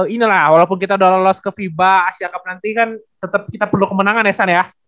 inilah walaupun kita udah lolos ke fiba asia cup nanti kan tetap kita perlu kemenangan ya san ya